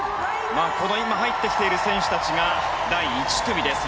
今、入ってきている選手たちが第１組です。